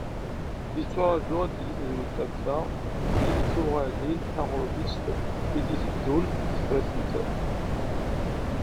Yetturaǧu, ad d-tili tedwilt am ta deg tuɣalin taɣurbizt, i d-itteddun deg Tbatent.